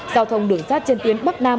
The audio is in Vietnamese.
giao thông đường sát trên tuyến bắc nam